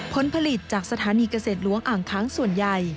ผลผลิตจากสถานีเกษตรหลวงอ่างค้างส่วนใหญ่